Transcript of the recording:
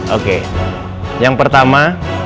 oke yang pertama